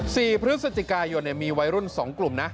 สี่พฤศจิกายนมีวัยรุ่นสองกลุ่มนะ